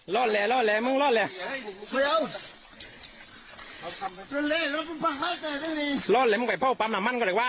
แหละรอดแลมึงรอดแหละ